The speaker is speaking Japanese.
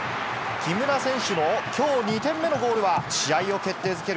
木村選手のきょう２点目のゴールは、試合を決定づける